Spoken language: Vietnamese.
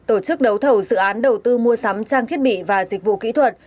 tổ chức đấu thầu dự án đầu tư mua sắm trang thiết bị và dịch vụ kỹ thuật